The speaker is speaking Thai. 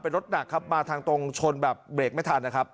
เป็นรถหนักมาทางตรงชนแบบเบรกไม่ทัน